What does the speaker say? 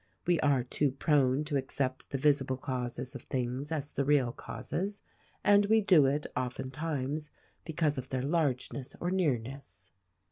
We are too prone to accept the visible causes of things as the 242 THE RECORDING ANGEL 243 real causes — and we do it, oftentimes, because of their large ness or nearness.